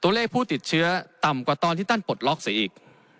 ตัวเลขผู้ติดเชื้อต่ำกว่าตอนที่ท่านปลดล็อกเสียอีก